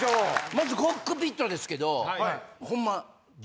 まずコックピットですけど。